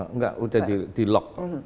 enggak udah di lock